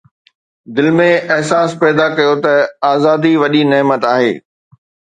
دل ۾ احساس پيدا ڪيو ته آزادي وڏي نعمت آهي